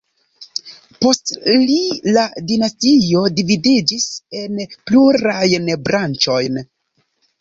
Post li la dinastio dividiĝis en plurajn branĉojn.